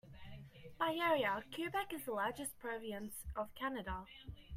By area, Quebec is the largest province of Canada.